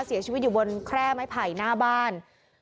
เสียชีวิตอยู่บนแคร่ไม้ไผ่หน้าบ้าน